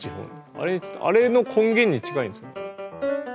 あれあれの根源に近いんです。